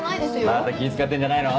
また気ぃ使ってんじゃないの？